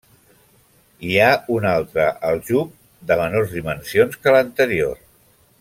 Hi ha un altre aljub, de menors dimensions que l'anterior.